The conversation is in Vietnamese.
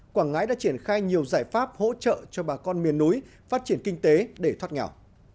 quảng ngãi đã triển khai nhiều giải pháp hỗ trợ cho bà con miền núi phát triển kinh tế để thoát nghèo